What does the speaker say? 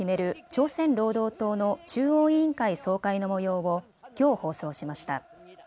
朝鮮労働党の中央委員会総会のもようをきょう放送しました。